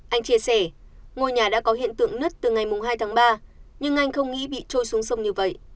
anh chia sẻ ngôi nhà đã có hiện tượng nứt từ ngày hai tháng ba nhưng anh không nghĩ bị trôi xuống sông như vậy